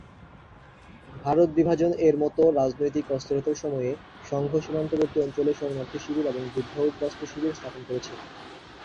ভারত বিভাজন-এর মতো রাজনৈতিক অস্থিরতার সময়ে, সংঘ সীমান্তবর্তী অঞ্চলে শরণার্থী শিবির এবং যুদ্ধ উদ্বাস্তু শিবির স্থাপন করেছে।